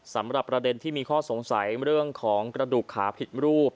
สำหรับประเด็นที่มีข้อสงสัยเรื่องของกระดูกขาผิดรูป